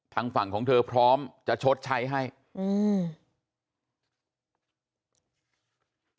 ทางฝั่งของเธอพร้อมจะชดใช้ให้อืม